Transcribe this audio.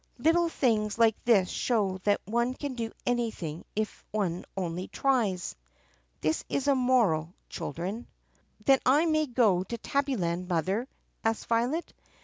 Little things like this show that one can do anything if one only tries. (This is a moral, Children.) "Then I may go to Tabbyland, Mother*?" asked Violet.